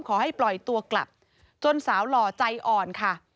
ขอให้ปล่อยตัวกลับจนสาวหล่อใจอ่อนค่ะ